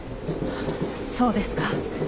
そうですか。